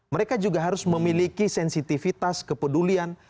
mereka juga harus memiliki sensitivitas kepedulian